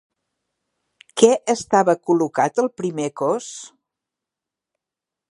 Què estava col·locat al primer cós?